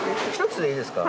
１つでいいですか？